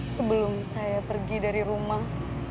sebelum saya pergi dari rumah